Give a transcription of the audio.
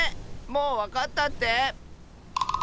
もうわかったって？